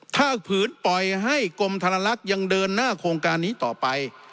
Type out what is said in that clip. ถ้าผืนปล่อยให้กรมธนลักษณ์ยังเดินหน้าโครงการนี้ต่อไป